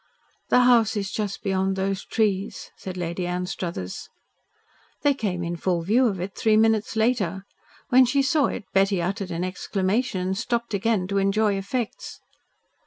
"The house is just beyond those trees," said Lady Anstruthers. They came in full view of it three minutes later. When she saw it, Betty uttered an exclamation and stopped again to enjoy effects.